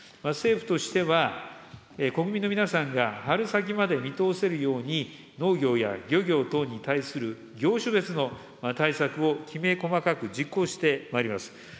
政府としては、国民の皆さんが春先まで見通せるように、農業や漁業等に対する業種別の対策をきめ細かく実行してまいります。